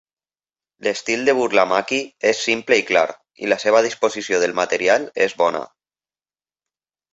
L'estil de Burlamaqui és simple i clar, i la seva disposició del material és bona.